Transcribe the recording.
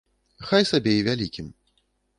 Хай сабе і вялікім.